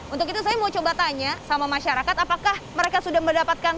untuk itu saya mau coba tanya sama masyarakat apakah mereka sudah mendapatkan